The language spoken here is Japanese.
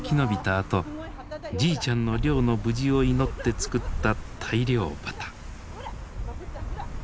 あとじいちゃんの漁の無事を祈って作った大漁旗。